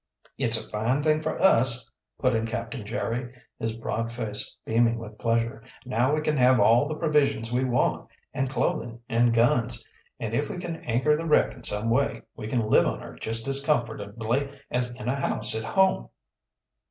"It's a fine thing for us," put in Captain Jerry, his broad face beaming with pleasure. "Now we can have all the provisions we want, and clothing and guns, and if we can anchor the wreck in some way, we can live on her just as comfortably as in a house at home."